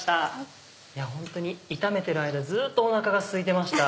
ホントに炒めてる間ずっとおなかがすいてました。